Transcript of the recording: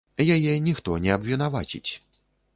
Яе ніхто не абвінаваціць.